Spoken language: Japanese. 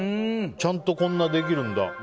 ちゃんと、こんなできるんだ。